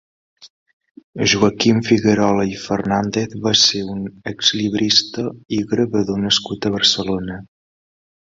Joaquim Figuerola i Fernández va ser un exlibrista i gravador nascut a Barcelona.